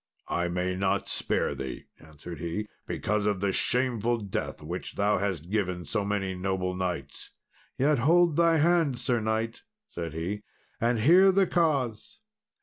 "I may not spare thee," answered he, "because of the shameful death which thou hast given to so many noble knights." "Yet hold thy hand, Sir knight," said he, "and hear the cause.